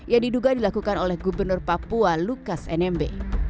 yang diduga dilakukan oleh gubernur papua lukas nmb